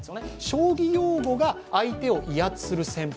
将棋用語で相手を威圧する戦法。